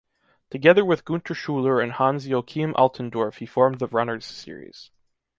Together with Günter Schüler and Hans-Joachim Altendorff he formed the runners' series.